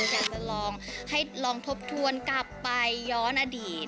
ชาวนี้เราจะลองให้ทบทวนกลับไปย้อนอดีต